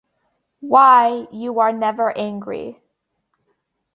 Why, you are never angry!